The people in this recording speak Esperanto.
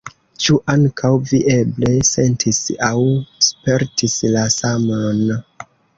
Ĉu ankaŭ vi eble sentis aŭ spertis la samon?